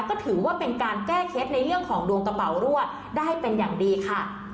ก็ถือว่าเป็นการแก้เคล็ดในเรื่องของดวงกระเป๋ารั่วได้เป็นอย่างดีค่ะ